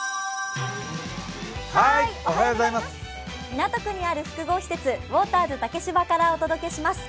港区にある複合施設・ウォーターズ竹芝からお届けします。